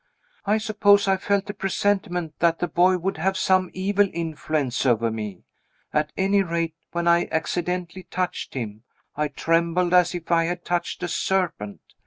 I suppose I felt a presentiment that the boy would have some evil influence over me. At any rate, when I accidentally touched him, I trembled as if I had touched a serpent.